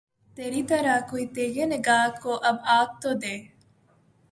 تری طرح کوئی تیغِ نگہ کو آب تو دے